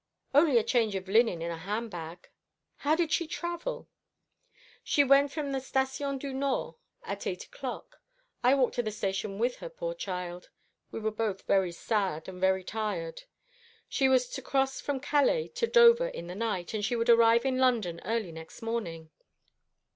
"Only a change of linen in a handbag." "How did she travel?" "She went from the Station du Nord at eight o'clock. I walked to the station with her, poor child. We were both very sad, and very tired. She was to cross from Calais to Dover in the night, and she would arrive in London early next morning.